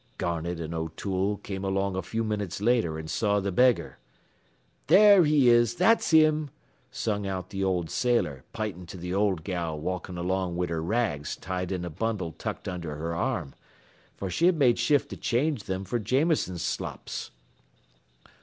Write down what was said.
"Garnett an' O'Toole came along a few minutes later an' saw th' beggar. "'There he is. That's him,' sung out the old sailor, pintin' to th' old gal walkin' along wid her rags tied in a bundle tucked under her arm, fer she had made shift to change thim fer Jameson's slops.